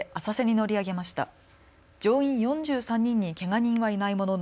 乗員４３人にけが人はいないものの